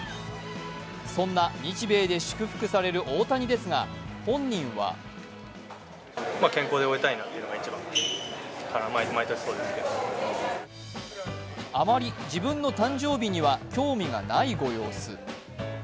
そんな日米で祝福される大谷ですが、本人はあまり自分の誕生日には興味がないご様子。